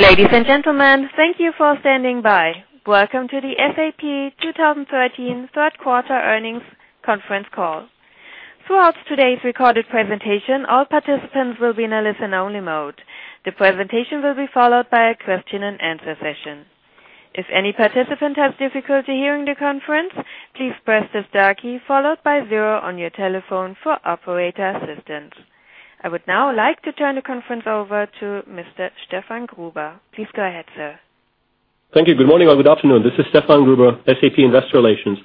Ladies and gentlemen, thank you for standing by. Welcome to the SAP 2013 third quarter earnings conference call. Throughout today's recorded presentation, all participants will be in a listen-only mode. The presentation will be followed by a question and answer session. If any participant has difficulty hearing the conference, please press the star key, followed by zero on your telephone for operator assistance. I would now like to turn the conference over to Mr. Stefan Gruber. Please go ahead, sir. Thank you. Good morning or good afternoon. This is Stefan Gruber, SAP Investor Relations.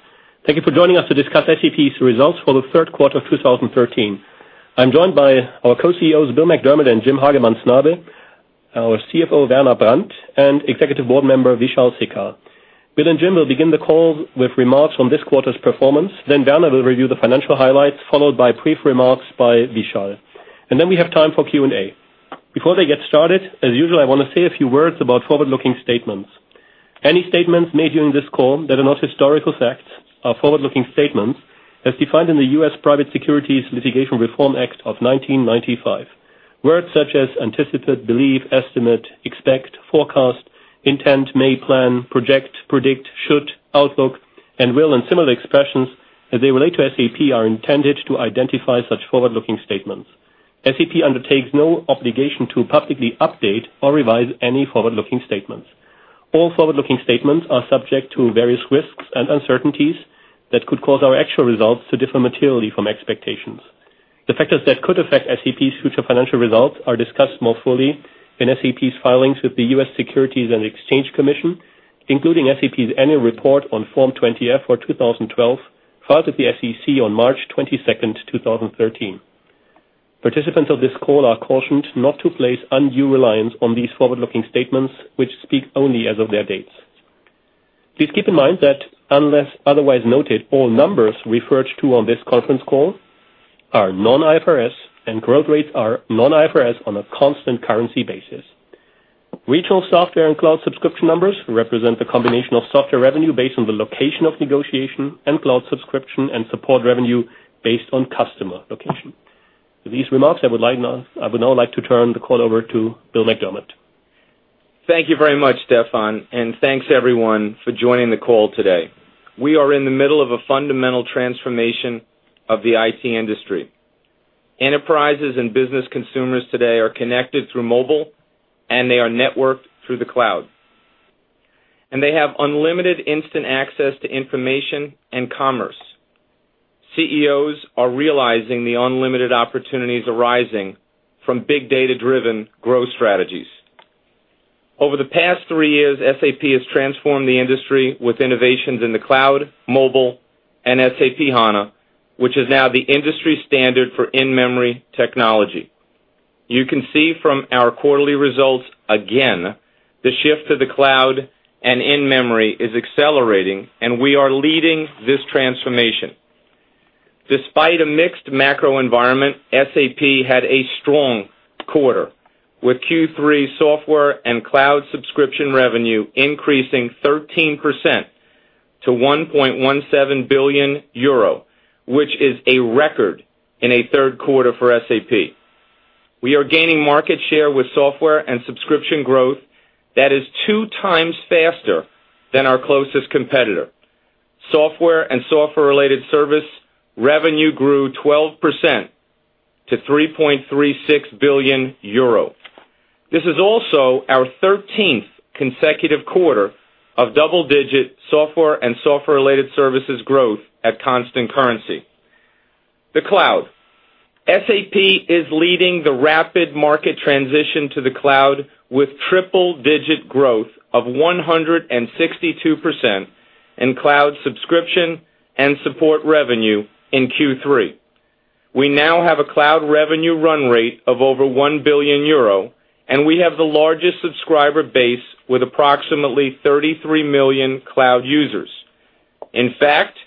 Thank you for joining us to discuss SAP's results for the third quarter of 2013. I am joined by our Co-CEOs, Bill McDermott and Jim Hagemann Snabe, our CFO, Werner Brandt, and Executive Board member, Vishal Sikka. Bill and Jim will begin the call with remarks on this quarter's performance. Werner will review the financial highlights, followed by brief remarks by Vishal. We have time for Q&A. Before they get started, as usual, I want to say a few words about forward-looking statements. Any statements made during this call that are not historical facts are forward-looking statements as defined in the U.S. Private Securities Litigation Reform Act of 1995. Words such as anticipated, believe, estimate, expect, forecast, intend, may, plan, project, predict, should, outlook, and will, and similar expressions, as they relate to SAP, are intended to identify such forward-looking statements. SAP undertakes no obligation to publicly update or revise any forward-looking statements. All forward-looking statements are subject to various risks and uncertainties that could cause our actual results to differ materially from expectations. The factors that could affect SAP's future financial results are discussed more fully in SAP's filings with the U.S. Securities and Exchange Commission, including SAP's annual report on Form 20-F for 2012, filed with the SEC on March 22nd, 2013. Participants of this call are cautioned not to place undue reliance on these forward-looking statements, which speak only as of their dates. Please keep in mind that, unless otherwise noted, all numbers referred to on this conference call are non-IFRS, and growth rates are non-IFRS on a constant currency basis. Regional software and cloud subscription numbers represent the combination of software revenue based on the location of negotiation and cloud subscription and support revenue based on customer location. With these remarks, I would now like to turn the call over to Bill McDermott. Thank you very much, Stefan, and thanks, everyone, for joining the call today. We are in the middle of a fundamental transformation of the IT industry. Enterprises and business consumers today are connected through mobile, and they are networked through the cloud, and they have unlimited instant access to information and commerce. CEOs are realizing the unlimited opportunities arising from big data-driven growth strategies. Over the past three years, SAP has transformed the industry with innovations in the cloud, mobile, and SAP HANA, which is now the industry standard for in-memory technology. You can see from our quarterly results, again, the shift to the cloud and in-memory is accelerating, and we are leading this transformation. Despite a mixed macro environment, SAP had a strong quarter, with Q3 software and cloud subscription revenue increasing 13% to 1.17 billion euro, which is a record in a third quarter for SAP. We are gaining market share with software and subscription growth that is two times faster than our closest competitor. Software and Software-Related Service revenue grew 12% to 3.36 billion euro. This is also our 13th consecutive quarter of double-digit Software and Software-Related Services growth at constant currency. The cloud. SAP is leading the rapid market transition to the cloud with triple-digit growth of 162% in cloud subscription and support revenue in Q3. We now have a cloud revenue run rate of over 1 billion euro, and we have the largest subscriber base with approximately 33 million cloud users. In fact,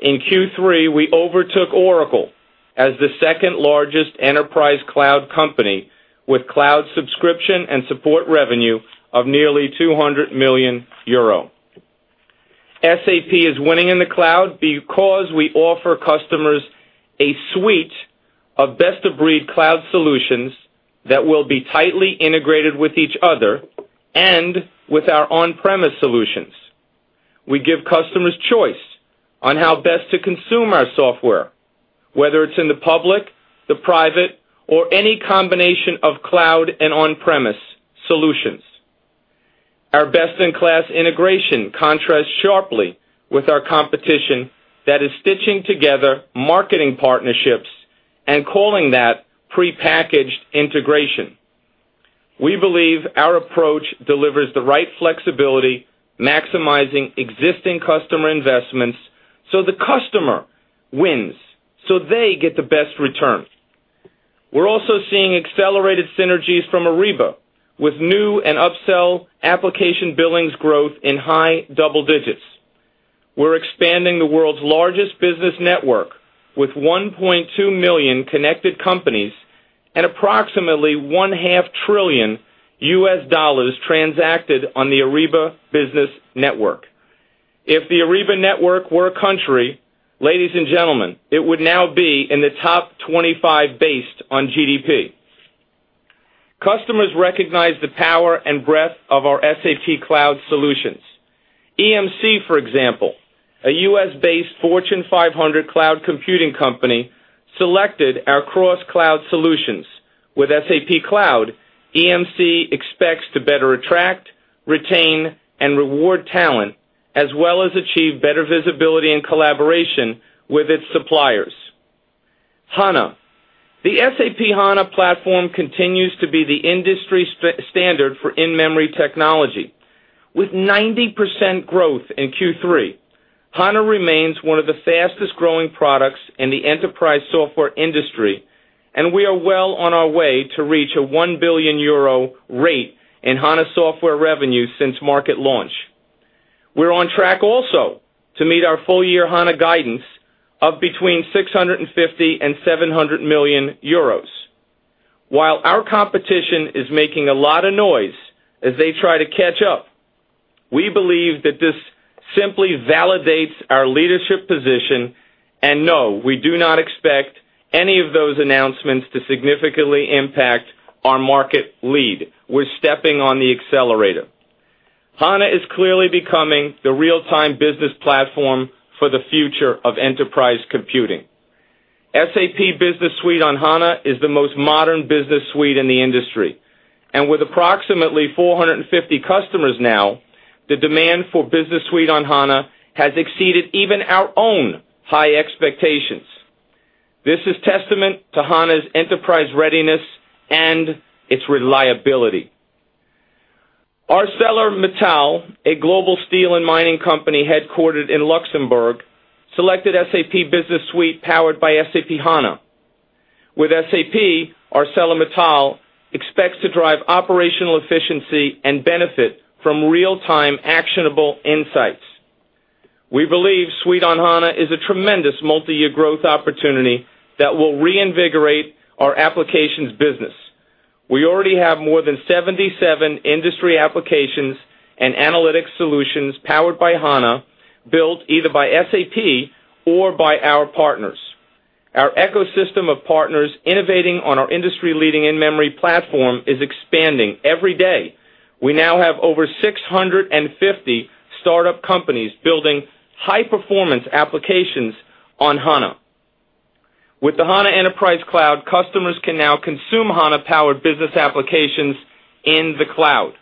in Q3, we overtook Oracle as the second-largest enterprise cloud company with cloud subscription and support revenue of nearly 200 million euro. SAP is winning in the cloud because we offer customers a suite of best-of-breed cloud solutions that will be tightly integrated with each other and with our on-premise solutions. We give customers choice on how best to consume our software, whether it's in the public, the private, or any combination of cloud and on-premise solutions. Our best-in-class integration contrasts sharply with our competition that is stitching together marketing partnerships and calling that prepackaged integration. We believe our approach delivers the right flexibility, maximizing existing customer investments so the customer wins, so they get the best return. We're also seeing accelerated synergies from Ariba, with new and upsell application billings growth in high double digits. We're expanding the world's largest business network with 1.2 million connected companies and approximately $1.5 trillion transacted on the Ariba Business Network. If the Ariba Network were a country, ladies and gentlemen, it would now be in the top 25 based on GDP. Customers recognize the power and breadth of our SAP Cloud solutions. EMC, for example, a U.S.-based Fortune 500 cloud computing company, selected our cross-cloud solutions. With SAP Cloud, EMC expects to better attract, retain, and reward talent, as well as achieve better visibility and collaboration with its suppliers. HANA. The SAP HANA platform continues to be the industry standard for in-memory technology. With 90% growth in Q3, HANA remains one of the fastest-growing products in the enterprise software industry, and we are well on our way to reach a 1 billion euro rate in HANA software revenue since market launch. We're on track also to meet our full year HANA guidance of between 650 million and 700 million euros. While our competition is making a lot of noise as they try to catch up, we believe that this simply validates our leadership position, and no, we do not expect any of those announcements to significantly impact our market lead. We're stepping on the accelerator. HANA is clearly becoming the real-time business platform for the future of enterprise computing. SAP Business Suite on HANA is the most modern business suite in the industry. With approximately 450 customers now, the demand for Business Suite on HANA has exceeded even our own high expectations. This is testament to HANA's enterprise readiness and its reliability. ArcelorMittal, a global steel and mining company headquartered in Luxembourg, selected SAP Business Suite powered by SAP HANA. With SAP, ArcelorMittal expects to drive operational efficiency and benefit from real-time actionable insights. We believe Suite on HANA is a tremendous multi-year growth opportunity that will reinvigorate our applications business. We already have more than 77 industry applications and analytics solutions powered by HANA, built either by SAP or by our partners. Our ecosystem of partners innovating on our industry-leading in-memory platform is expanding every day. We now have over 650 startup companies building high-performance applications on HANA. With the HANA Enterprise Cloud, customers can now consume HANA-powered business applications in the cloud.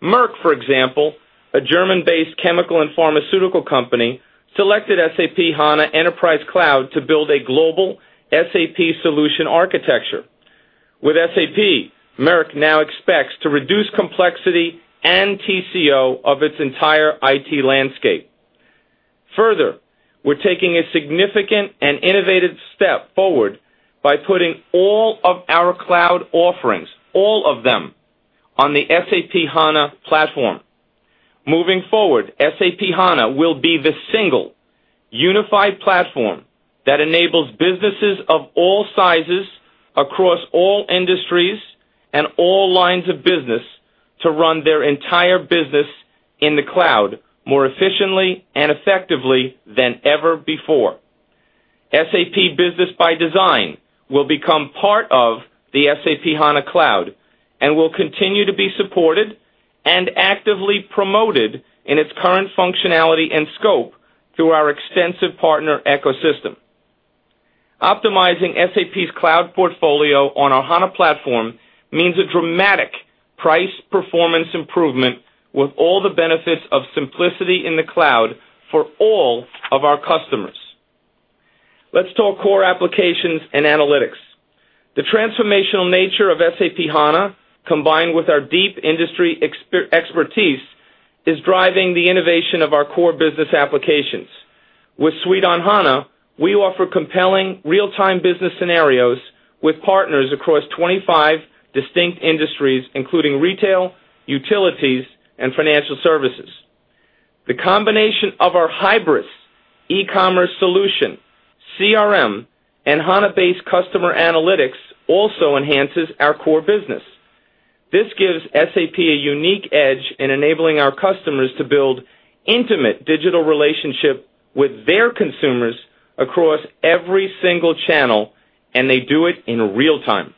Merck, for example, a German-based chemical and pharmaceutical company, selected SAP HANA Enterprise Cloud to build a global SAP solution architecture. With SAP, Merck now expects to reduce complexity and TCO of its entire IT landscape. We're taking a significant and innovative step forward by putting all of our cloud offerings, all of them, on the SAP HANA platform. Moving forward, SAP HANA will be the single unified platform that enables businesses of all sizes, across all industries, and all lines of business to run their entire business in the cloud more efficiently and effectively than ever before. SAP Business ByDesign will become part of the SAP HANA Cloud and will continue to be supported and actively promoted in its current functionality and scope through our extensive partner ecosystem. Optimizing SAP's cloud portfolio on our HANA platform means a dramatic price performance improvement with all the benefits of simplicity in the cloud for all of our customers. Let's talk core applications and analytics. The transformational nature of SAP HANA, combined with our deep industry expertise, is driving the innovation of our core business applications. With Suite on HANA, we offer compelling real-time business scenarios with partners across 25 distinct industries, including retail, utilities, and financial services. The combination of our Hybris e-commerce solution, CRM, and HANA-based customer analytics also enhances our core business. This gives SAP a unique edge in enabling our customers to build intimate digital relationship with their consumers across every single channel, and they do it in real time.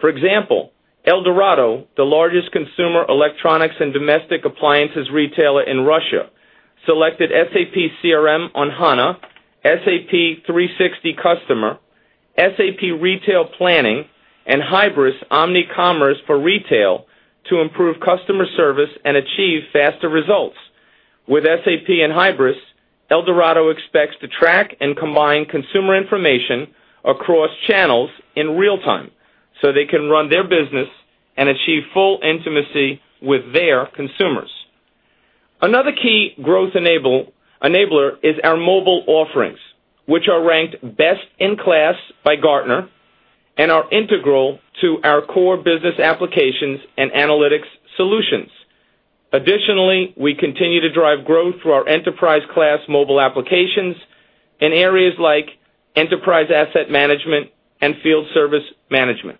For example, Eldorado, the largest consumer electronics and domestic appliances retailer in Russia, selected SAP CRM on HANA, SAP 360 Customer, SAP Retail Planning, and Hybris Omni-Commerce for Retail to improve customer service and achieve faster results. With SAP and Hybris, Eldorado expects to track and combine consumer information across channels in real time so they can run their business and achieve full intimacy with their consumers. Another key growth enabler is our mobile offerings, which are ranked best in class by Gartner and are integral to our core business applications and analytics solutions. Additionally, we continue to drive growth through our enterprise-class mobile applications in areas like enterprise asset management and field service management.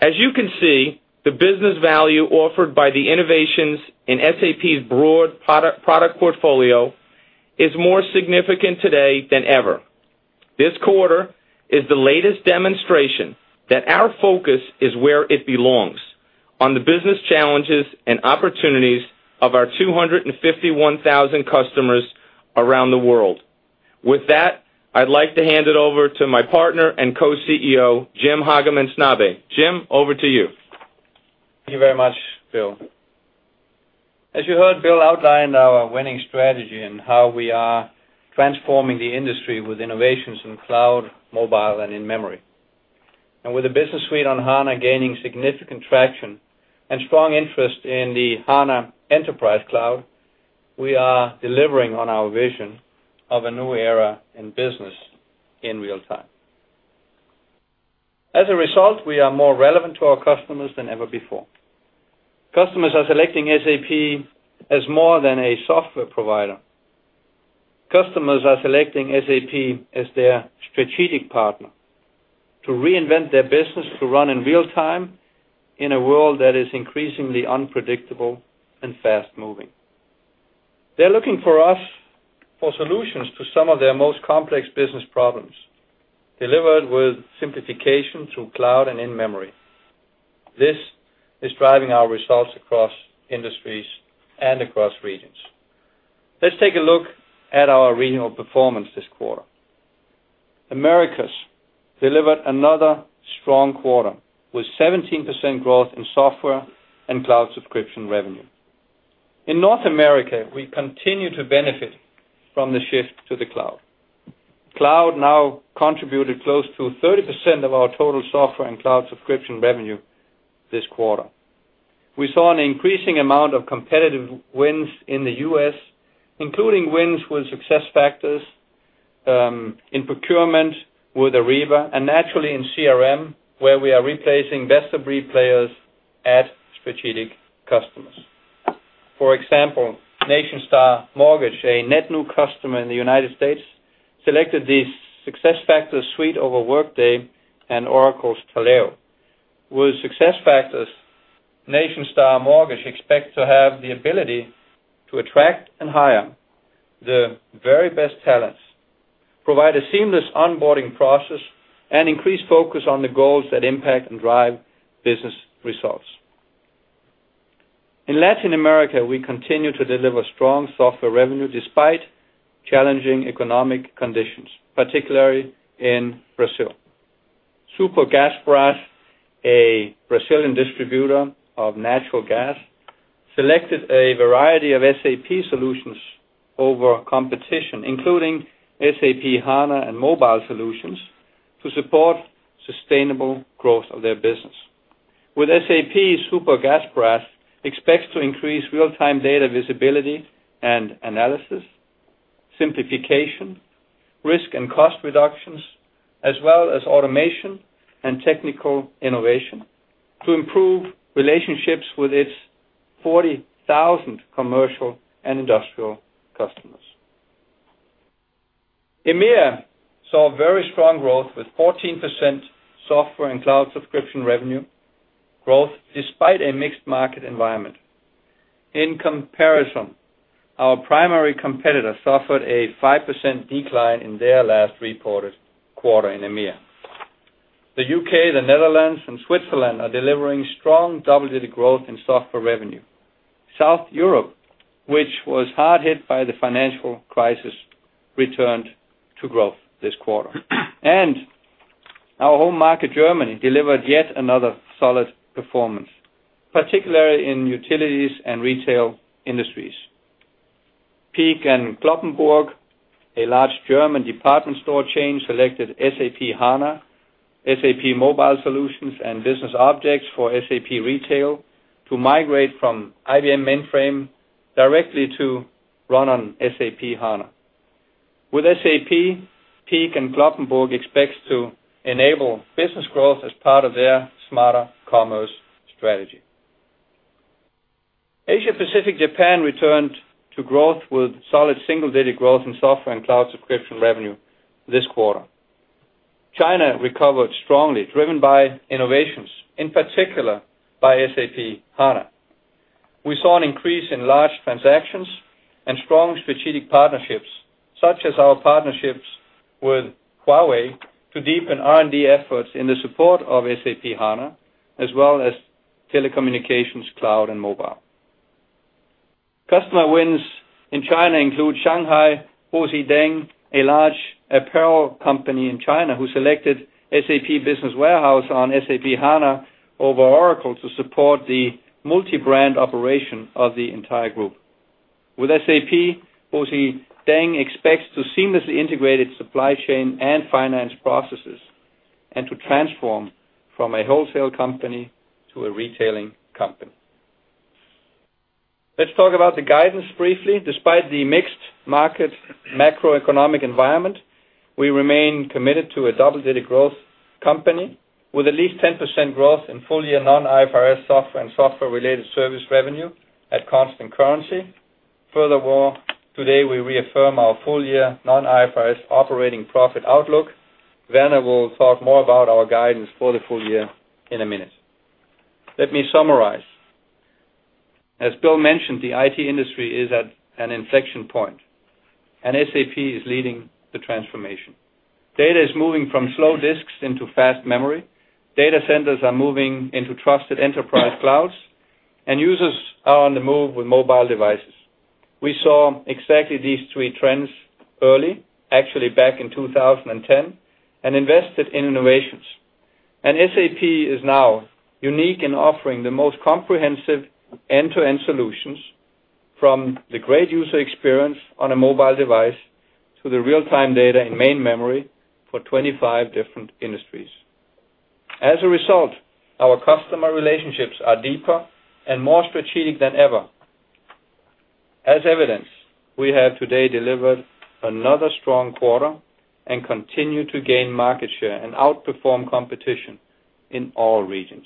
As you can see, the business value offered by the innovations in SAP's broad product portfolio is more significant today than ever. This quarter is the latest demonstration that our focus is where it belongs, on the business challenges and opportunities of our 251,000 customers around the world. With that, I'd like to hand it over to my partner and co-CEO, Jim Hagemann Snabe. Jim, over to you. Thank you very much, Bill. As you heard, Bill outlined our winning strategy and how we are transforming the industry with innovations in cloud, mobile, and in-memory. With the SAP Business Suite on HANA gaining significant traction and strong interest in the HANA Enterprise Cloud, we are delivering on our vision of a new era in business in real time. As a result, we are more relevant to our customers than ever before. Customers are selecting SAP as more than a software provider. Customers are selecting SAP as their strategic partner to reinvent their business to run in real time in a world that is increasingly unpredictable and fast-moving. They're looking for us for solutions to some of their most complex business problems, delivered with simplification through cloud and in-memory. This is driving our results across industries and across regions. Let's take a look at our regional performance this quarter. Americas delivered another strong quarter, with 17% growth in software and cloud subscription revenue. In North America, we continue to benefit from the shift to the cloud. Cloud now contributed close to 30% of our total software and cloud subscription revenue this quarter. We saw an increasing amount of competitive wins in the U.S., including wins with SuccessFactors, in procurement with Ariba, and naturally in CRM, where we are replacing best-of-breed players at strategic customers. For example, Nationstar Mortgage, a net new customer in the United States, selected the SuccessFactors suite over Workday and Oracle's Taleo. With SuccessFactors, Nationstar Mortgage expects to have the ability to attract and hire the very best talents, provide a seamless onboarding process, and increase focus on the goals that impact and drive business results. In Latin America, we continue to deliver strong software revenue, despite challenging economic conditions, particularly in Brazil. Supergasbras, a Brazilian distributor of natural gas, selected a variety of SAP solutions over competition, including SAP HANA and mobile solutions, to support sustainable growth of their business. With SAP, Supergasbras expects to increase real-time data visibility and analysis, simplification, risk and cost reductions, as well as automation and technical innovation to improve relationships with its 40,000 commercial and industrial customers. EMEA saw very strong growth with 14% software and cloud subscription revenue growth, despite a mixed market environment. In comparison, our primary competitor suffered a 5% decline in their last reported quarter in EMEA. The U.K., the Netherlands, and Switzerland are delivering strong double-digit growth in software revenue. South Europe, which was hard hit by the financial crisis, returned to growth this quarter. Our home market, Germany, delivered yet another solid performance, particularly in utilities and retail industries. Peek & Cloppenburg, a large German department store chain, selected SAP HANA, SAP mobile solutions, and BusinessObjects for SAP Retail to migrate from IBM mainframe directly to run on SAP HANA. With SAP, Peek & Cloppenburg expects to enable business growth as part of their smarter commerce strategy. Asia-Pacific Japan returned to growth with solid single-digit growth in software and cloud subscription revenue this quarter. China recovered strongly, driven by innovations, in particular by SAP HANA. We saw an increase in large transactions and strong strategic partnerships, such as our partnerships with Huawei to deepen R&D efforts in the support of SAP HANA, as well as telecommunications, cloud, and mobile. Customer wins in China include Shanghai Aoshideng, a large apparel company in China, who selected SAP Business Warehouse on SAP HANA over Oracle to support the multi-brand operation of the entire group. With SAP, Aoshideng expects to seamlessly integrate its supply chain and finance processes, and to transform from a wholesale company to a retailing company. Let's talk about the guidance briefly. Despite the mixed market macroeconomic environment, we remain committed to a double-digit growth company with at least 10% growth in full-year non-IFRS Software and Software-Related Service revenue at constant currency. Furthermore, today we reaffirm our full year non-IFRS operating profit outlook. Werner will talk more about our guidance for the full year in a minute. Let me summarize. As Bill mentioned, the IT industry is at an inflection point, and SAP is leading the transformation. Data is moving from slow disks into fast memory. Data centers are moving into trusted enterprise clouds, and users are on the move with mobile devices. We saw exactly these three trends early, actually back in 2010, and invested in innovations. SAP is now unique in offering the most comprehensive end-to-end solutions, from the great user experience on a mobile device to the real-time data in main memory for 25 different industries. As a result, our customer relationships are deeper and more strategic than ever. As evidence, we have today delivered another strong quarter and continue to gain market share and outperform competition in all regions.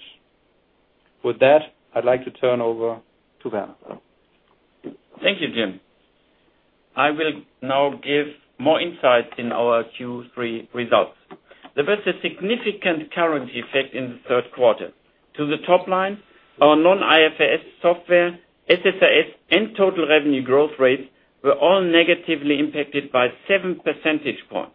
With that, I'd like to turn over to Werner. Thank you, Jim. I will now give more insight in our Q3 results. There was a significant currency effect in the third quarter. To the top line, our non-IFRS software, SSRS, and total revenue growth rates were all negatively impacted by seven percentage points.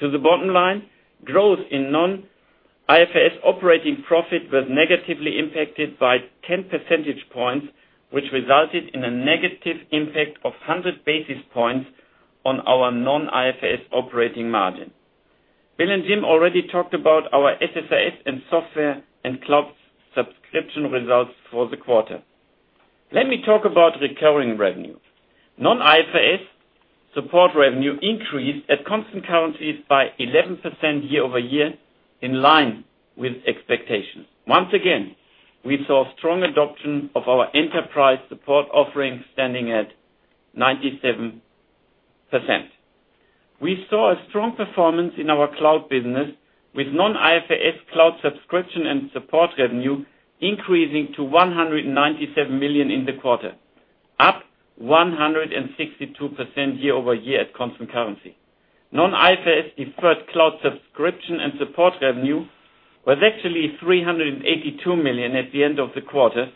To the bottom line, growth in non-IFRS operating profit was negatively impacted by 10 percentage points, which resulted in a negative impact of 100 basis points on our non-IFRS operating margin. Bill and Jim already talked about our SSRS and software and cloud subscription results for the quarter. Let me talk about recurring revenues. Non-IFRS support revenue increased at constant currencies by 11% year-over-year, in line with expectations. Once again, we saw strong adoption of our enterprise support offering, standing at 97%. We saw a strong performance in our cloud business with non-IFRS cloud subscription and support revenue increasing to 197 million in the quarter, up 162% year-over-year at constant currency. Non-IFRS deferred cloud subscription and support revenue was actually 382 million at the end of the quarter,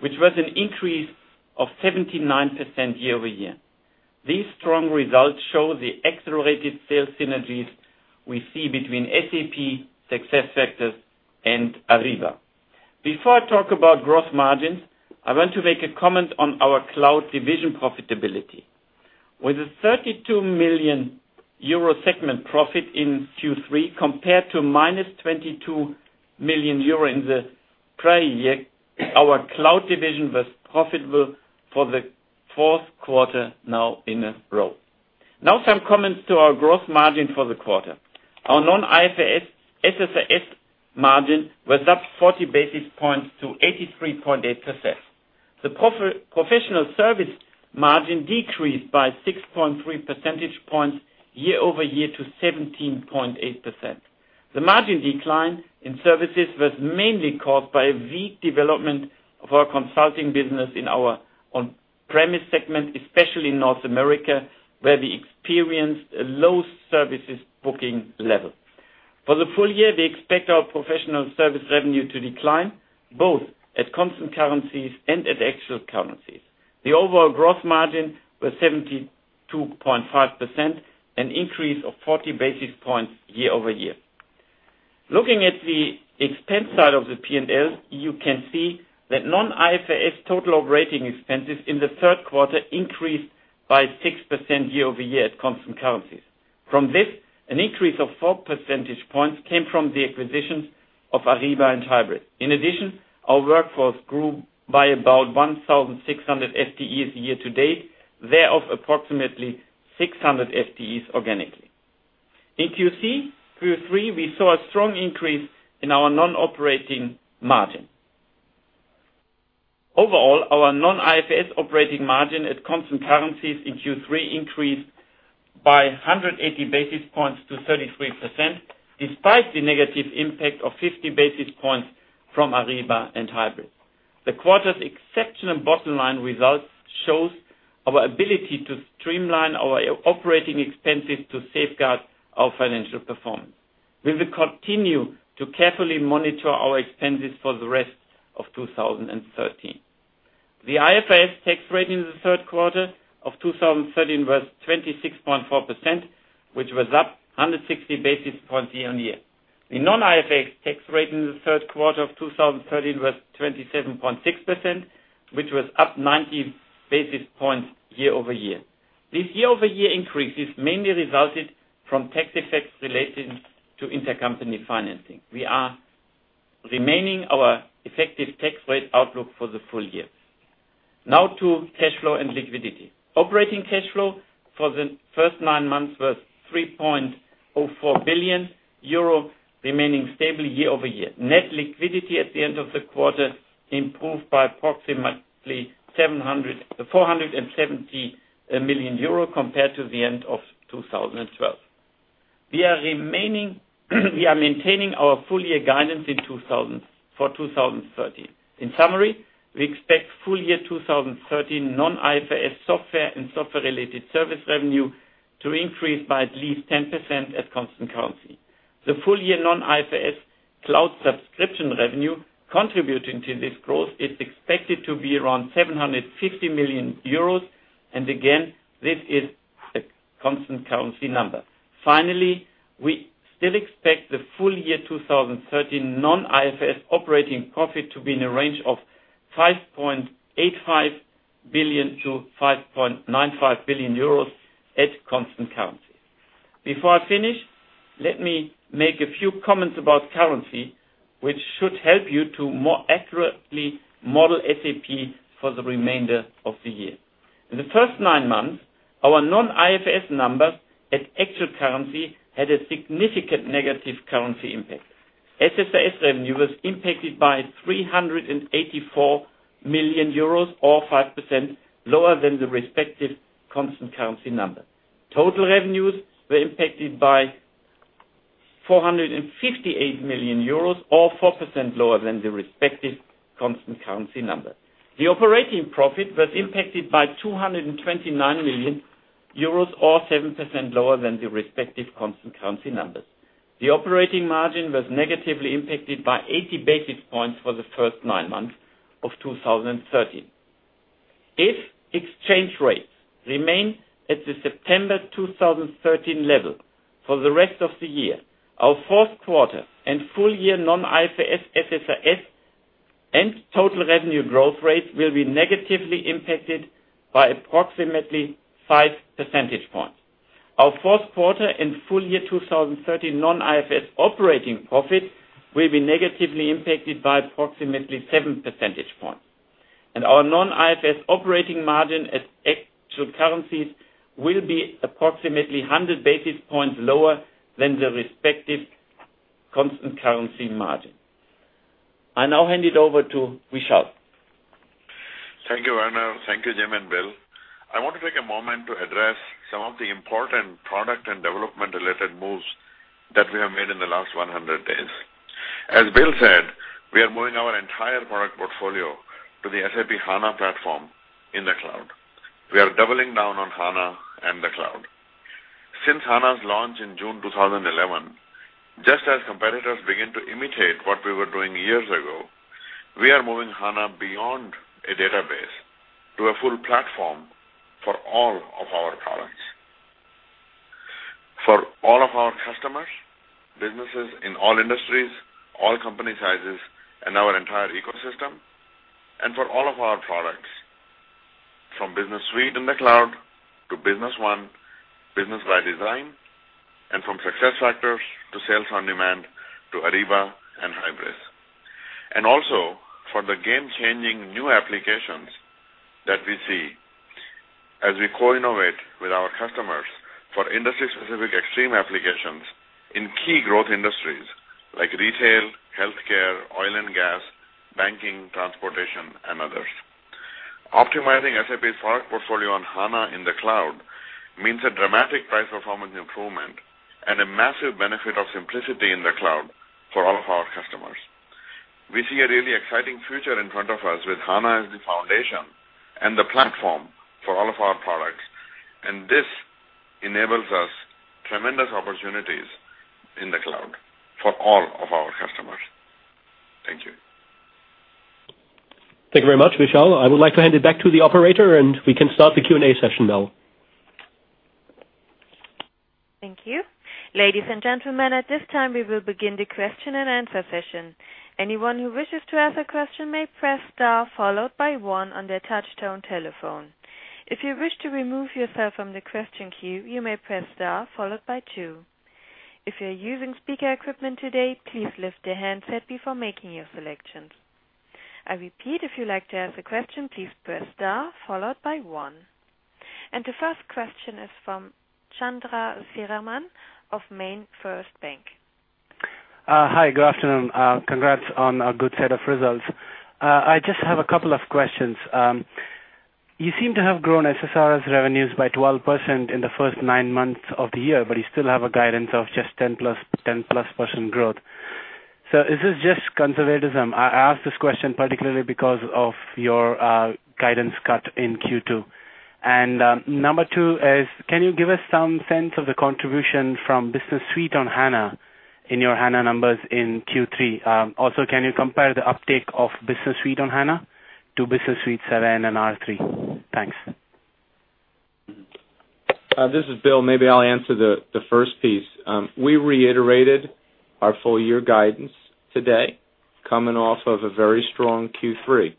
which was an increase of 79% year-over-year. These strong results show the accelerated sales synergies we see between SAP, SuccessFactors, and Ariba. Before I talk about gross margins, I want to make a comment on our cloud division profitability. With a €32 million segment profit in Q3 compared to minus €22 million in the prior year, our cloud division was profitable for the fourth quarter now in a row. Some comments to our gross margin for the quarter. Our non-IFRS SSRS margin was up 40 basis points to 83.8%. The professional service margin decreased by 6.3 percentage points year-over-year to 17.8%. The margin decline in services was mainly caused by a weak development of our consulting business in our on-premise segment, especially in North America, where we experienced a low services booking level. For the full year, we expect our professional service revenue to decline both at constant currencies and at actual currencies. The overall gross margin was 72.5%, an increase of 40 basis points year-over-year. Looking at the expense side of the P&L, you can see that non-IFRS total operating expenses in the third quarter increased by 6% year-over-year at constant currencies. From this, an increase of four percentage points came from the acquisitions of Ariba and Hybris. In addition, our workforce grew by about 1,600 FTEs year-to-date, thereof approximately 600 FTEs organically. In Q1 through Q3, we saw a strong increase in our non-IFRS operating margin. Our non-IFRS operating margin at constant currencies in Q3 increased by 180 basis points to 33%, despite the negative impact of 50 basis points from Ariba and Hybris. The quarter's exceptional bottom-line results shows our ability to streamline our operating expenses to safeguard our financial performance. We will continue to carefully monitor our expenses for the rest of 2013. The IFRS tax rate in the third quarter of 2013 was 26.4%, which was up 160 basis points year-on-year. The non-IFRS tax rate in the third quarter of 2013 was 27.6%, which was up 90 basis points year-over-year. This year-over-year increase is mainly resulted from tax effects related to intercompany financing. We are maintaining our effective tax rate outlook for the full year. To cash flow and liquidity. Operating cash flow for the first nine months was €3.04 billion, remaining stable year-over-year. Net liquidity at the end of the quarter improved by approximately €470 million compared to the end of 2012. We are maintaining our full year guidance for 2013. We expect full year 2013 non-IFRS software and software-related service revenue to increase by at least 10% at constant currency. The full year non-IFRS cloud subscription revenue contributing to this growth is expected to be around 750 million euros, and again, this is a constant currency number. We still expect the full year 2013 non-IFRS operating profit to be in a range of 5.85 billion to 5.95 billion euros at constant currency. Before I finish, let me make a few comments about currency, which should help you to more accurately model SAP for the remainder of the year. In the first nine months, our non-IFRS numbers at actual currency had a significant negative currency impact. SSRS revenue was impacted by 384 million euros, or 5% lower than the respective constant currency number. Total revenues were impacted by 458 million euros, or 4% lower than the respective constant currency number. The operating profit was impacted by 229 million euros, or 7% lower than the respective constant currency numbers. The operating margin was negatively impacted by 80 basis points for the first nine months of 2013. If exchange rates remain at the September 2013 level for the rest of the year, our fourth quarter and full year non-IFRS, SSRS, and total revenue growth rate will be negatively impacted by approximately five percentage points. Our fourth quarter and full year 2013 non-IFRS operating profit will be negatively impacted by approximately seven percentage points. Our non-IFRS operating margin at actual currencies will be approximately 100 basis points lower than the respective constant currency margin. I now hand it over to Vishal. Thank you, Werner. Thank you, Jim and Bill. I want to take a moment to address some of the important product and development-related moves that we have made in the last 100 days. As Bill said, we are moving our entire product portfolio to the SAP HANA platform in the cloud. We are doubling down on HANA and the cloud. Since HANA's launch in June 2011, just as competitors begin to imitate what we were doing years ago, we are moving HANA beyond a database to a full platform for all of our products. For all of our customers, businesses in all industries, all company sizes, and our entire ecosystem, and for all of our products, from Business Suite in the cloud to Business One, Business ByDesign, and from SuccessFactors to Sales OnDemand, to Ariba and Hybris. Also, for the game-changing new applications that we see as we co-innovate with our customers for industry-specific extreme applications in key growth industries like retail, healthcare, oil and gas, banking, transportation, and others. Optimizing SAP's product portfolio on HANA in the cloud means a dramatic price-performance improvement and a massive benefit of simplicity in the cloud for all of our customers. We see a really exciting future in front of us with HANA as the foundation and the platform for all of our products, and this enables us tremendous opportunities in the cloud for all of our customers. Thank you. Thank you very much, Vishal. I would like to hand it back to the operator, and we can start the Q&A session now. Thank you. Ladies and gentlemen, at this time, we will begin the question-and-answer session. Anyone who wishes to ask a question may press star followed by one on their touch-tone telephone. If you wish to remove yourself from the question queue, you may press star followed by two. If you're using speaker equipment today, please lift your handset before making your selections. I repeat, if you'd like to ask a question, please press star followed by one. The first question is from Chandan Sirvankar of MainFirst Bank. Hi, good afternoon. Congrats on a good set of results. I just have a couple of questions. You seem to have grown SSRS revenues by 12% in the first nine months of the year, but you still have a guidance of just 10-plus % growth. Is this just conservatism? I ask this question particularly because of your guidance cut in Q2. Number 2 is, can you give us some sense of the contribution from Business Suite on HANA in your HANA numbers in Q3? Also, can you compare the uptake of Business Suite on HANA to Business Suite 7 and R/3? Thanks. This is Bill. Maybe I'll answer the first piece. We reiterated our full year guidance today, coming off of a very strong Q3.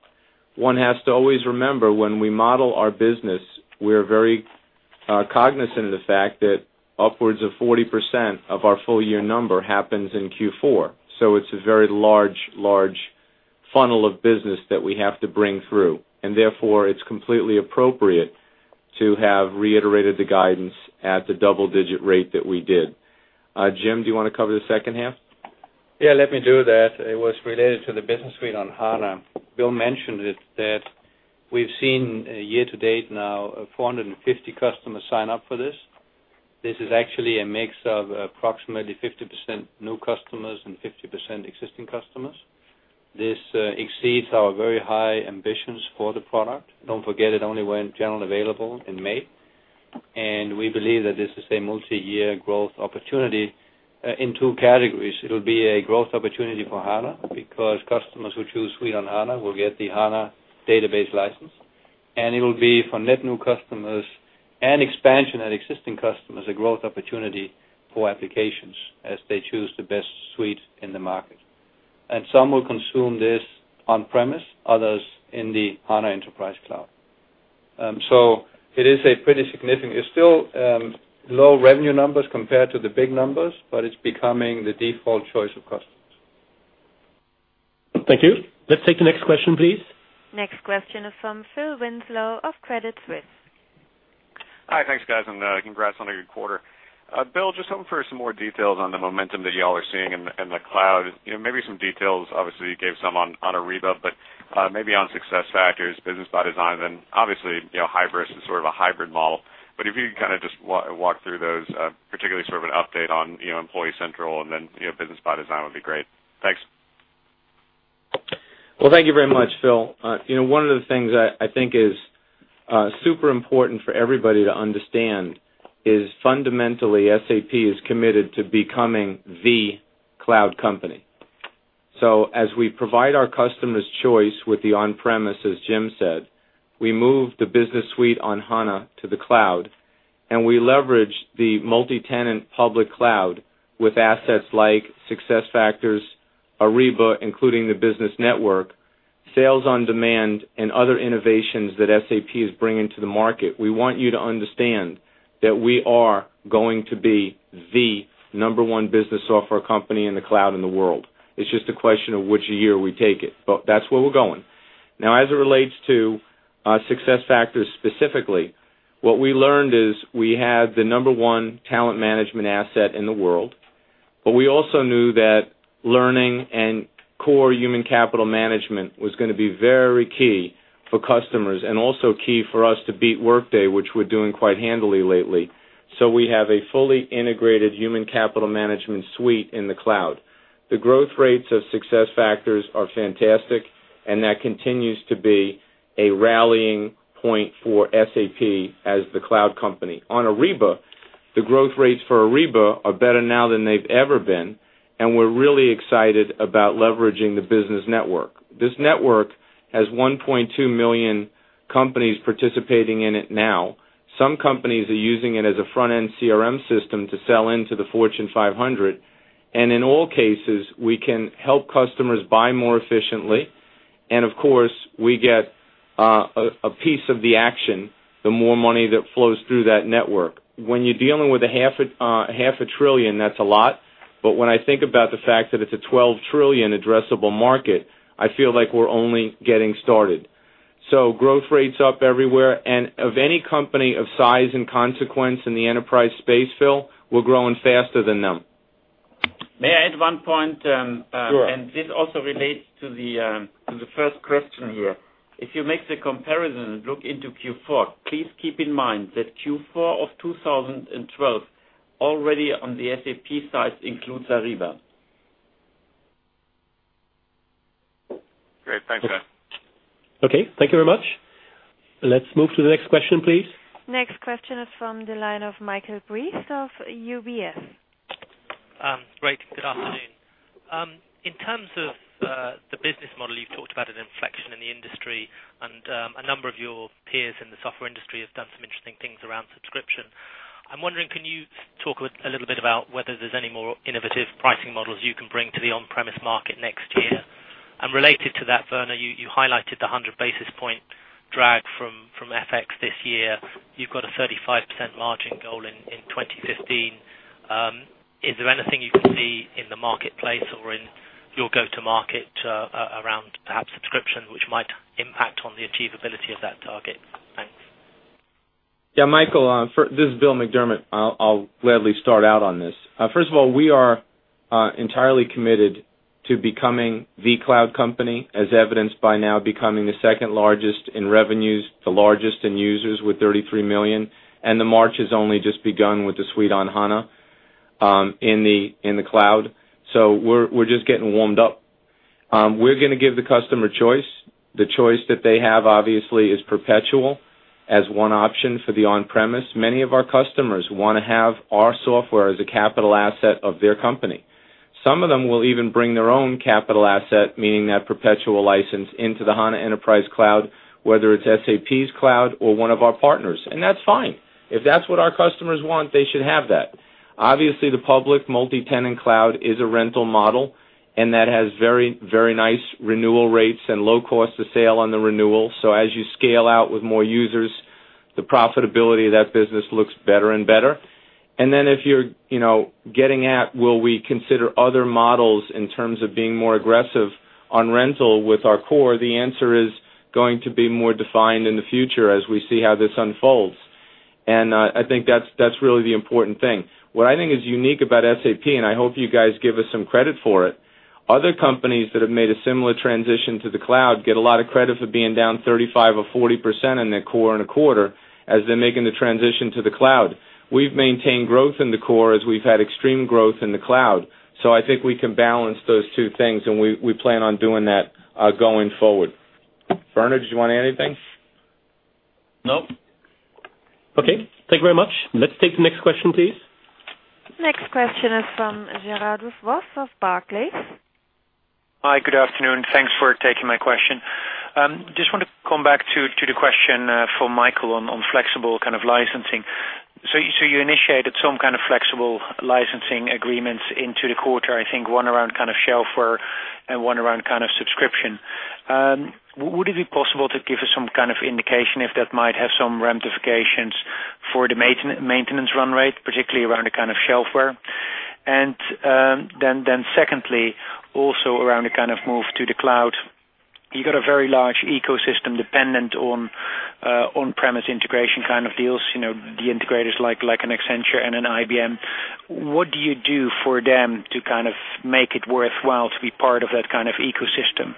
One has to always remember, when we model our business, we're very cognizant of the fact that upwards of 40% of our full year number happens in Q4. It's a very large funnel of business that we have to bring through, and therefore it's completely appropriate to have reiterated the guidance at the double-digit rate that we did. Jim, do you want to cover the second half? Let me do that. It was related to the Business Suite on HANA. Bill mentioned it, that we've seen year-to-date now 450 customers sign up for this. This is actually a mix of approximately 50% new customers and 50% existing customers. This exceeds our very high ambitions for the product. Don't forget, it only went generally available in May, and we believe that this is a multi-year growth opportunity in 2 categories. It'll be a growth opportunity for HANA, because customers who choose Suite on HANA will get the HANA database license, and it will be for net new customers and expansion at existing customers, a growth opportunity for applications as they choose the best suite in the market. Some will consume this on-premise, others in the HANA Enterprise Cloud. It is pretty significant. It's still low revenue numbers compared to the big numbers, it's becoming the default choice of customers. Thank you. Let's take the next question, please. Next question is from Phil Winslow of Credit Suisse. Hi, thanks guys, and congrats on a good quarter. Bill, just hoping for some more details on the momentum that you all are seeing in the cloud. Maybe some details, obviously you gave some on Ariba. Maybe on SuccessFactors, Business ByDesign, then obviously, Hybris is sort of a hybrid model. If you could kind of just walk through those, particularly sort of an update on Employee Central and then Business ByDesign would be great. Thanks. Well, thank you very much, Phil. One of the things I think is super important for everybody to understand is fundamentally, SAP is committed to becoming the cloud company. As we provide our customers choice with the on-premise, as Jim said, we move the Business Suite on HANA to the cloud, and we leverage the multi-tenant public cloud with assets like SuccessFactors, Ariba, including the Business Network, Sales OnDemand, and other innovations that SAP is bringing to the market. We want you to understand that we are going to be the number 1 business software company in the cloud in the world. It's just a question of which year we take it. That's where we're going. Now, as it relates to SuccessFactors specifically, what we learned is we have the number 1 talent management asset in the world, but we also knew that learning and core human capital management was going to be very key for customers and also key for us to beat Workday, which we're doing quite handily lately. We have a fully integrated human capital management suite in the cloud. The growth rates of SuccessFactors are fantastic, and that continues to be a rallying point for SAP as the cloud company. On Ariba, the growth rates for Ariba are better now than they've ever been, and we're really excited about leveraging the Business Network. This network has 1.2 million companies participating in it now. Some companies are using it as a front-end CRM system to sell into the Fortune 500, and in all cases, we can help customers buy more efficiently. Of course, we get a piece of the action, the more money that flows through that network. When you're dealing with a half a trillion, that's a lot. When I think about the fact that it's a $12 trillion addressable market, I feel like we're only getting started. Growth rates up everywhere, and of any company of size and consequence in the enterprise space, Phil, we're growing faster than them. May I add one point? Sure. This also relates to the first question here. If you make the comparison and look into Q4, please keep in mind that Q4 of 2012, already on the SAP side, includes Ariba. Great. Thanks, guys. Okay. Thank you very much. Let's move to the next question, please. Next question is from the line of Michael Briest of UBS. Great, good afternoon. In terms of the business model, you've talked about an inflection in the industry, a number of your peers in the software industry have done some interesting things around subscription. I'm wondering, can you talk a little bit about whether there's any more innovative pricing models you can bring to the on-premise market next year? Related to that, Werner, you highlighted the 100 basis point drag from FX this year. You've got a 35% margin goal in 2015. Is there anything you can see in the marketplace or in your go-to-market around perhaps subscription, which might impact on the achievability of that target? Thanks. Yeah, Michael, this is Bill McDermott. I'll gladly start out on this. First of all, we are entirely committed to becoming the cloud company, as evidenced by now becoming the second largest in revenues, the largest in users with 33 million, the march has only just begun with the Suite on HANA in the cloud. We're just getting warmed up. We're going to give the customer choice. The choice that they have, obviously, is perpetual as one option for the on-premise. Many of our customers want to have our software as a capital asset of their company. Some of them will even bring their own capital asset, meaning that perpetual license, into the HANA Enterprise Cloud, whether it's SAP's cloud or one of our partners, that's fine. If that's what our customers want, they should have that. Obviously, the public multi-tenant cloud is a rental model, that has very nice renewal rates and low cost of sale on the renewal. As you scale out with more users, the profitability of that business looks better and better. If you're getting at will we consider other models in terms of being more aggressive on rental with our core, the answer is going to be more defined in the future as we see how this unfolds. I think that's really the important thing. What I think is unique about SAP, and I hope you guys give us some credit for it, other companies that have made a similar transition to the cloud get a lot of credit for being down 35% or 40% in their core in a quarter as they're making the transition to the cloud. We've maintained growth in the core as we've had extreme growth in the cloud. I think we can balance those two things, and we plan on doing that going forward. Werner, did you want to add anything? Nope. Okay. Thank you very much. Let's take the next question, please. Next question is from Gerardus Vos of Barclays. Hi, good afternoon. Thanks for taking my question. Just want to come back to the question for Michael on flexible kind of licensing. You initiated some kind of flexible licensing agreements into the quarter, I think one around kind of shelfware and one around kind of subscription. Would it be possible to give us some kind of indication if that might have some ramifications for the maintenance run rate, particularly around the kind of shelfware? And then secondly, also around the kind of move to the cloud, you've got a very large ecosystem dependent on-premise integration kind of deals. The integrators like an Accenture and an IBM. What do you do for them to kind of make it worthwhile to be part of that kind of ecosystem?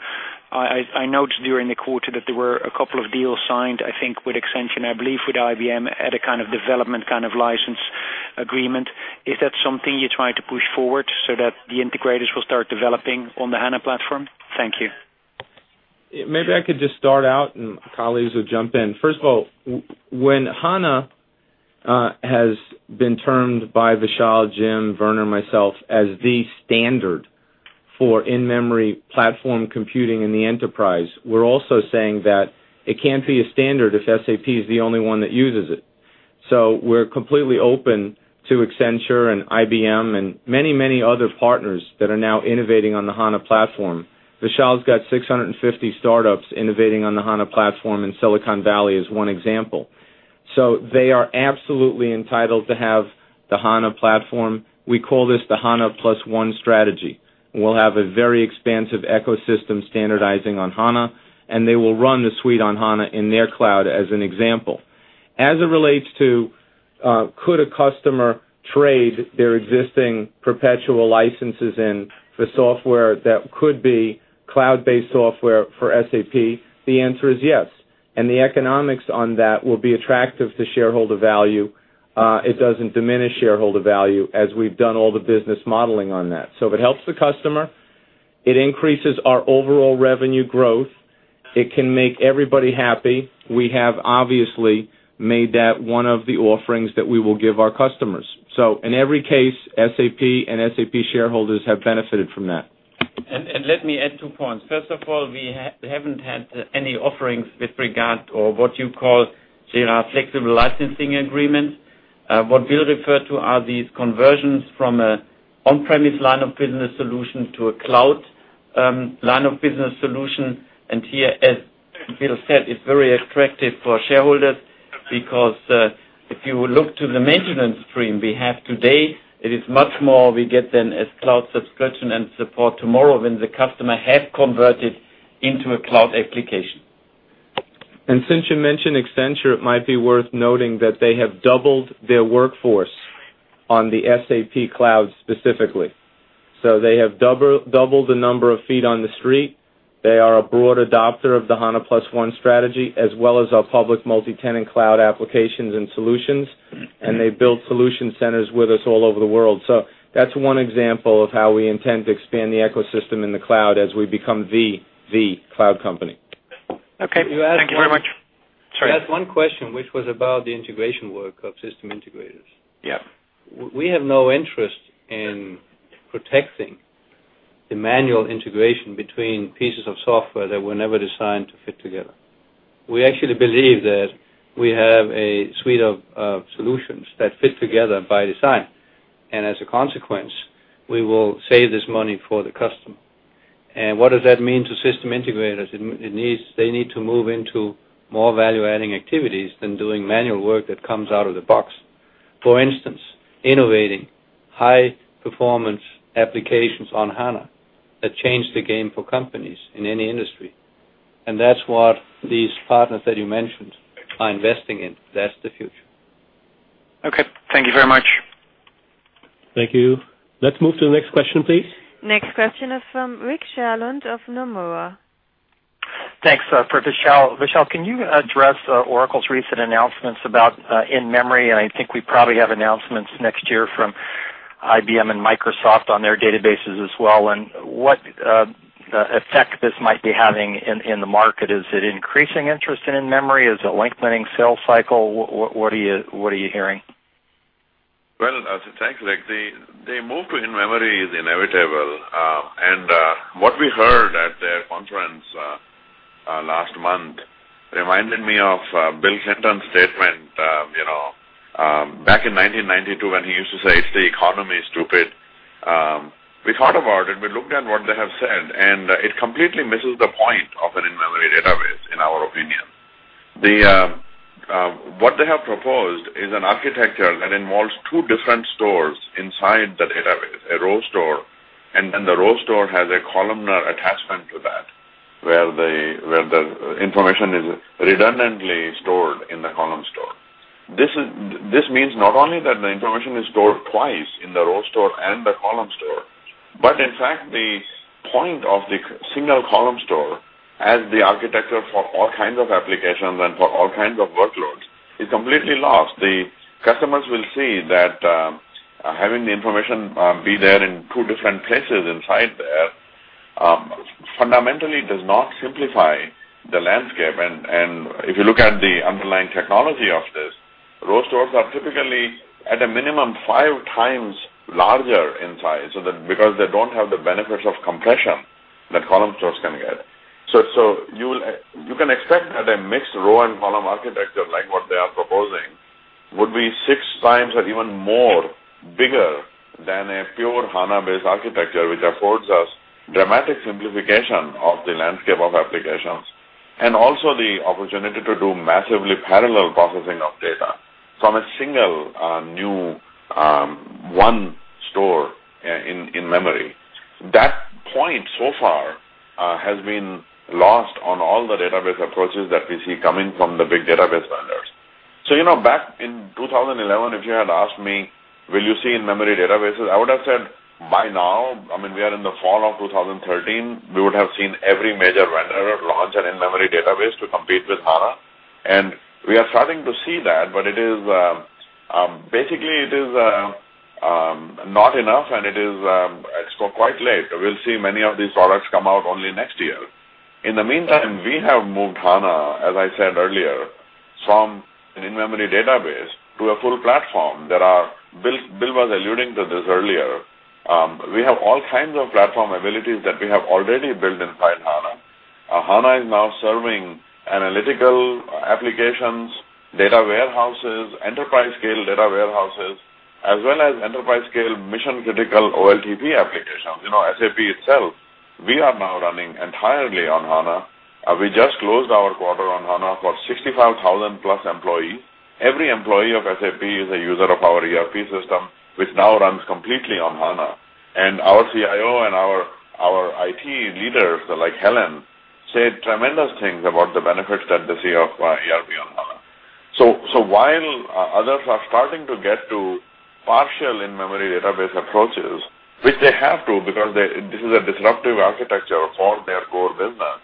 I noticed during the quarter that there were a couple of deals signed, I think with Accenture, I believe with IBM, at a kind of development kind of license agreement. Is that something you try to push forward so that the integrators will start developing on the HANA platform? Thank you. Maybe I could just start out and colleagues would jump in. First of all, when HANA has been termed by Vishal, Jim, Werner, myself as the standard for in-memory platform computing in the enterprise, we're also saying that it can't be a standard if SAP is the only one that uses it. We're completely open to Accenture and IBM and many other partners that are now innovating on the HANA platform. Vishal's got 650 startups innovating on the HANA platform, and Silicon Valley is one example. They are absolutely entitled to have the HANA platform. We call this the HANA Plus One strategy, and we'll have a very expansive ecosystem standardizing on HANA, and they will run the Suite on HANA in their cloud as an example. As it relates to could a customer trade their existing perpetual licenses in for software that could be cloud-based software for SAP, the answer is yes. The economics on that will be attractive to shareholder value. It doesn't diminish shareholder value as we've done all the business modeling on that. If it helps the customer, it increases our overall revenue growth. It can make everybody happy. We have obviously made that one of the offerings that we will give our customers. In every case, SAP and SAP shareholders have benefited from that. Let me add two points. First of all, we haven't had any offerings with regard or what you call, Gerard, flexible licensing agreements. What Bill referred to are these conversions from an on-premise line of business solution to a cloud line of business solution. Here, as Bill said, it's very attractive for shareholders because if you look to the maintenance stream we have today, it is much more we get than as cloud subscription and support tomorrow when the customer have converted into a cloud application. Since you mentioned Accenture, it might be worth noting that they have doubled their workforce on the SAP Cloud specifically. They have doubled the number of feet on the street. They are a broad adopter of the HANA Plus One strategy, as well as our public multi-tenant cloud applications and solutions. They build solution centers with us all over the world. That's one example of how we intend to expand the ecosystem in the cloud as we become the cloud company. Okay. Thank you very much. You asked one question, which was about the integration work of system integrators. Yeah. We have no interest in protecting the manual integration between pieces of software that were never designed to fit together. We actually believe that we have a suite of solutions that fit together by design. As a consequence, we will save this money for the customer. What does that mean to system integrators? They need to move into more value-adding activities than doing manual work that comes out of the box. For instance, innovating high-performance applications on HANA that change the game for companies in any industry. That's what these partners that you mentioned are investing in. That's the future. Okay. Thank you very much. Thank you. Let's move to the next question, please. Next question is from Richard Sherlund of Nomura. Thanks. For Vishal. Vishal, can you address Oracle's recent announcements about in-memory? I think we probably have announcements next year from IBM and Microsoft on their databases as well, and what effect this might be having in the market. Is it increasing interest in memory? Is it lengthening sales cycle? What are you hearing? Well, thanks, Rick. What we heard at their conference last month reminded me of Bill Clinton's statement back in 1992 when he used to say, "It's the economy, stupid." We thought about it, we looked at what they have said, and it completely misses the point of an in-memory database, in our opinion. What they have proposed is an architecture that involves two different stores inside the database, a row store, and then the row store has a columnar attached where the information is redundantly stored in the column store. This means not only that the information is stored twice in the row store and the column store, but in fact, the point of the single column store as the architecture for all kinds of applications and for all kinds of workloads is completely lost. The customers will see that having the information be there in two different places inside there, fundamentally does not simplify the landscape. If you look at the underlying technology of this, row stores are typically at a minimum five times larger in size, because they don't have the benefits of compression that column stores can get. You can expect that a mixed row and column architecture, like what they are proposing, would be six times or even more bigger than a pure HANA-based architecture, which affords us dramatic simplification of the landscape of applications, and also the opportunity to do massively parallel processing of data from a single new one store in memory. That point, so far, has been lost on all the database approaches that we see coming from the big database vendors. Back in 2011, if you had asked me, "Will you see in-memory databases?" I would have said by now, I mean, we are in the fall of 2013, we would have seen every major vendor launch an in-memory database to compete with HANA. We are starting to see that, but basically, it is not enough, and it's quite late. We'll see many of these products come out only next year. In the meantime, we have moved HANA, as I said earlier, from an in-memory database to a full platform. Bill was alluding to this earlier. We have all kinds of platform abilities that we have already built inside HANA. HANA is now serving analytical applications, data warehouses, enterprise-scale data warehouses, as well as enterprise-scale mission-critical OLTP applications. SAP itself, we are now running entirely on HANA. We just closed our quarter on HANA for 65,000-plus employees. Every employee of SAP is a user of our ERP system, which now runs completely on HANA. Our CIO and our IT leaders, like Helen, said tremendous things about the benefits that they see of our ERP on HANA. While others are starting to get to partial in-memory database approaches, which they have to because this is a disruptive architecture for their core business,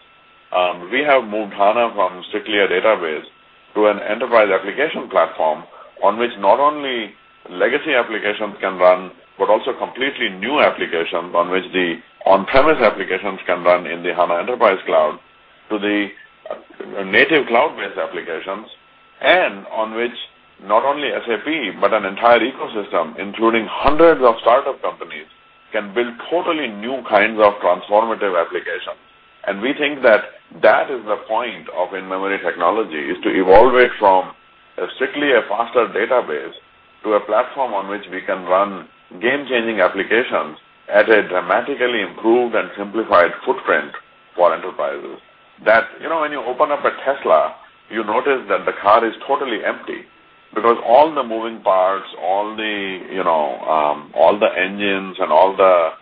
we have moved HANA from strictly a database to an enterprise application platform on which not only legacy applications can run, but also completely new applications on which the on-premise applications can run in the HANA Enterprise Cloud to the native cloud-based applications, and on which not only SAP, but an entire ecosystem, including hundreds of startup companies, can build totally new kinds of transformative applications. We think that that is the point of in-memory technology, is to evolve it from strictly a faster database to a platform on which we can run game-changing applications at a dramatically improved and simplified footprint for enterprises. When you open up a Tesla, you notice that the car is totally empty because all the moving parts, all the engines, and all the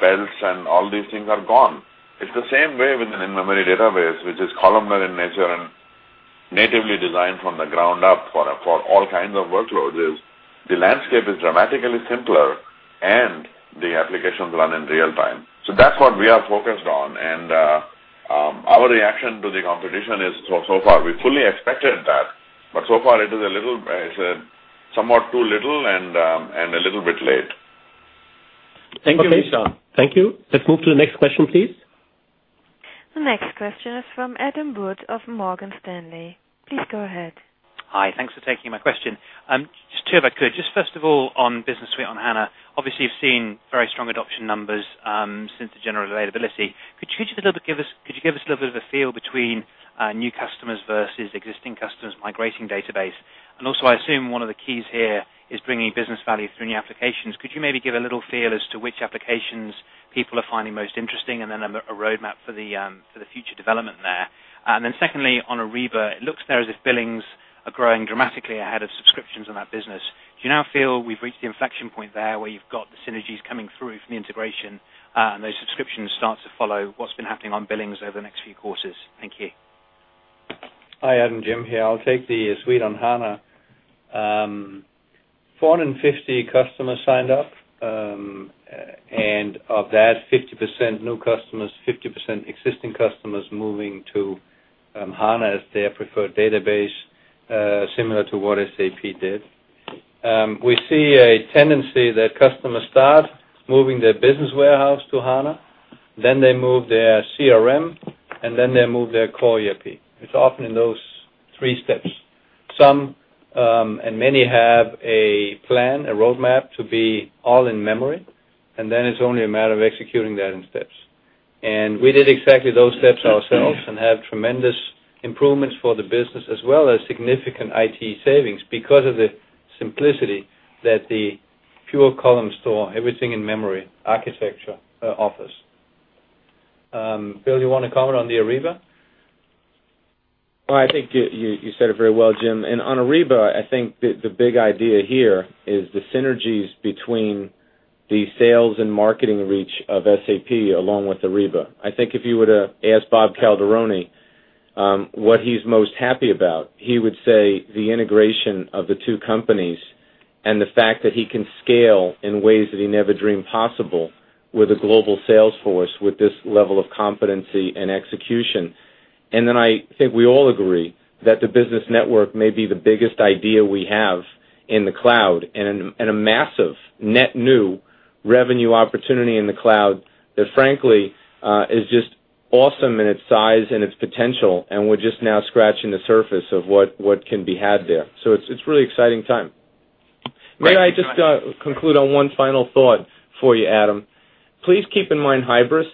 belts and all these things are gone. It's the same way with an in-memory database, which is columnar in nature and natively designed from the ground up for all kinds of workloads. The landscape is dramatically simpler, and the applications run in real-time. That's what we are focused on. Our reaction to the competition is so far we fully expected that, but so far it's somewhat too little and a little bit late. Thank you, Vishal. Okay. Thank you. Let's move to the next question, please. The next question is from Adam Wood of Morgan Stanley. Please go ahead. Hi. Thanks for taking my question. Just two, if I could. First of all, on SAP Business Suite on HANA, obviously, you've seen very strong adoption numbers since the general availability. Could you give us a little bit of a feel between new customers versus existing customers migrating database? Also, I assume one of the keys here is bringing business value through new applications. Could you maybe give a little feel as to which applications people are finding most interesting, and then a roadmap for the future development there? Secondly, on Ariba, it looks there as if billings are growing dramatically ahead of subscriptions in that business. Do you now feel we've reached the inflection point there where you've got the synergies coming through from the integration, and those subscriptions start to follow what's been happening on billings over the next few quarters? Thank you. Hi, Adam. Jim here. I'll take the Suite on HANA. 450 customers signed up. Of that, 50% new customers, 50% existing customers moving to HANA as their preferred database, similar to what SAP did. We see a tendency that customers start moving their SAP Business Warehouse to HANA, then they move their CRM, then they move their core ERP. It's often in those three steps. Some, and many have a plan, a roadmap to be all in-memory. It's only a matter of executing that in steps. We did exactly those steps ourselves and have tremendous improvements for the business, as well as significant IT savings because of the simplicity that the pure column store, everything in-memory architecture offers. Bill, you want to comment on the Ariba? Well, I think you said it very well, Jim. On Ariba, I think the big idea here is the synergies between the sales and marketing reach of SAP along with Ariba. I think if you were to ask Bob Calderoni what he's most happy about, he would say the integration of the two companies and the fact that he can scale in ways that he never dreamed possible with a global sales force, with this level of competency and execution. I think we all agree that the business network may be the biggest idea we have in the cloud, a massive net new revenue opportunity in the cloud that, frankly, is just awesome in its size and its potential. We're just now scratching the surface of what can be had there. It's really exciting time. May I just conclude on one final thought for you, Adam? Please keep in mind Hybris,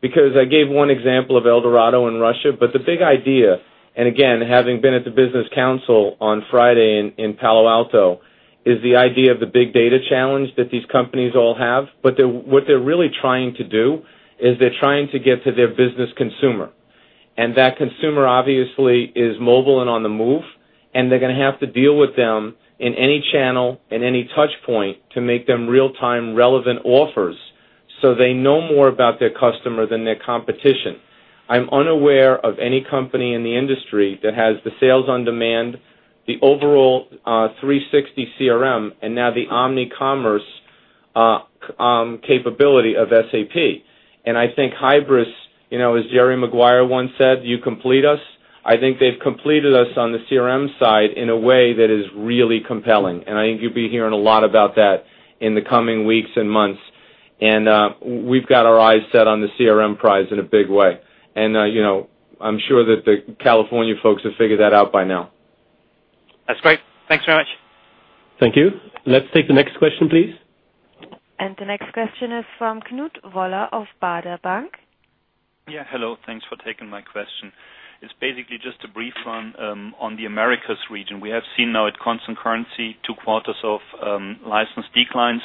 because I gave one example of Eldorado in Russia. The big idea, again, having been at The Business Council on Friday in Palo Alto, is the idea of the big data challenge that these companies all have. What they're really trying to do is they're trying to get to their business consumer. That consumer obviously is mobile and on the move, and they're going to have to deal with them in any channel, in any touch point to make them real-time relevant offers so they know more about their customer than their competition. I'm unaware of any company in the industry that has the SAP Sales OnDemand, the overall 360 CRM, and now the omni commerce capability of SAP. I think Hybris, as Jerry Maguire once said, "You complete us." I think they've completed us on the CRM side in a way that is really compelling, I think you'll be hearing a lot about that in the coming weeks and months. We've got our eyes set on the CRM prize in a big way. I'm sure that the California folks have figured that out by now. That's great. Thanks very much. Thank you. Let's take the next question, please. The next question is from Knut Woller of Baader Bank. Hello. Thanks for taking my question. It's basically just a brief one on the Americas region. We have seen now at constant currency, two quarters of license declines.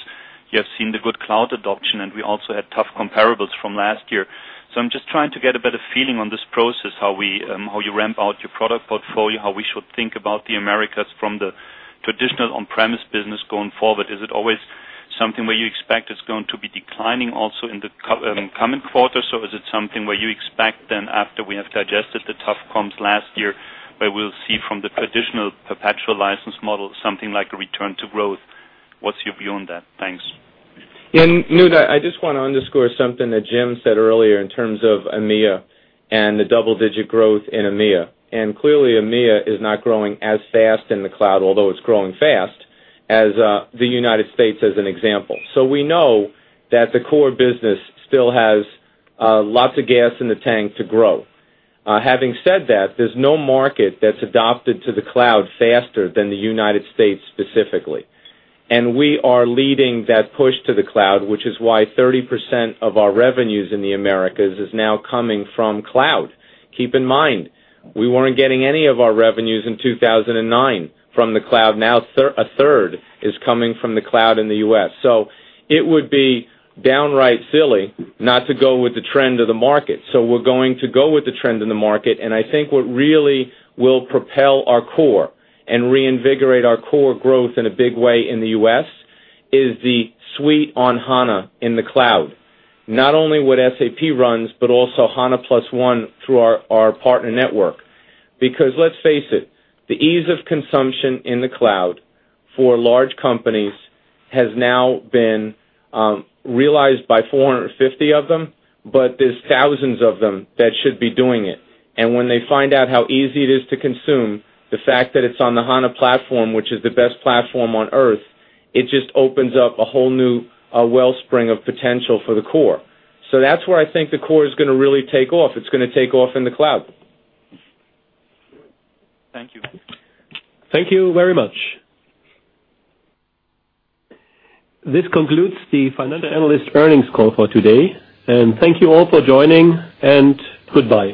You have seen the good cloud adoption, and we also had tough comparables from last year. I'm just trying to get a better feeling on this process, how you ramp out your product portfolio, how we should think about the Americas from the traditional on-premise business going forward. Is it always something where you expect it's going to be declining also in the coming quarters, or is it something where you expect then after we have digested the tough comps last year, where we'll see from the traditional perpetual license model, something like a return to growth? What's your view on that? Thanks. Knut, I just want to underscore something that Jim said earlier in terms of EMEA and the double-digit growth in EMEA. Clearly EMEA is not growing as fast in the cloud, although it's growing fast, as the U.S. as an example. We know that the core business still has lots of gas in the tank to grow. Having said that, there's no market that's adopted to the cloud faster than the U.S. specifically. We are leading that push to the cloud, which is why 30% of our revenues in the Americas is now coming from cloud. Keep in mind, we weren't getting any of our revenues in 2009 from the cloud. Now, a third is coming from the cloud in the U.S. It would be downright silly not to go with the trend of the market. We're going to go with the trend in the market, and I think what really will propel our core and reinvigorate our core growth in a big way in the U.S. is the Suite on HANA in the cloud. Not only what SAP runs, but also HANA Plus one through our partner network. Let's face it, the ease of consumption in the cloud for large companies has now been realized by 450 of them, but there's thousands of them that should be doing it. When they find out how easy it is to consume, the fact that it's on the HANA platform, which is the best platform on Earth, it just opens up a whole new wellspring of potential for the core. That's where I think the core is going to really take off. It's going to take off in the cloud. Thank you. Thank you very much. This concludes the financial analyst earnings call for today. Thank you all for joining. Goodbye.